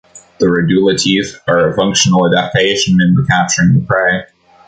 The radula teeth are a functional adaption in the capturing of prey.